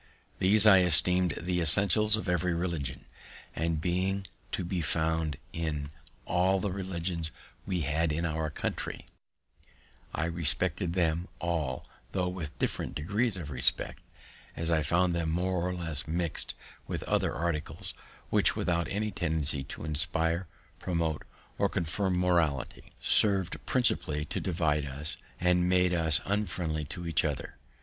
These I esteem'd the essentials of every religion; and, being to be found in all the religions we had in our country, I respected them all, tho' with different degrees of respect, as I found them more or less mix'd with other articles, which, without any tendency to inspire, promote, or confirm morality, serv'd principally to divide us, and make us unfriendly to one another.